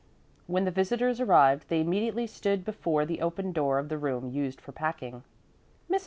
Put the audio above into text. When the visitors arrived, they immediately stood before the open door of the room used for packing.